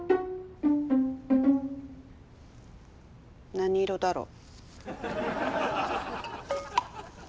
何色だろう？